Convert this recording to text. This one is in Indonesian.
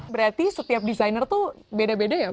berarti setiap desainer tuh beda beda ya pak